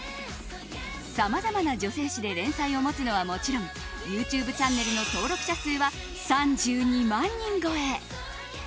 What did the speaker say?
さまざまな女性誌で連載を持つのはもちろんＹｏｕＴｕｂｅチャンネルの登録者数は３２万人超え。